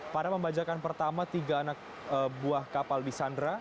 pada pembajakan pertama tiga anak buah kapal di sandra